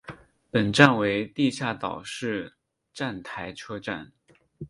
本站为地下岛式站台车站。